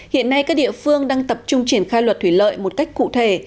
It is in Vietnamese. hiện nay các địa phương đang tập trung triển khai luật thủy lợi một cách cụ thể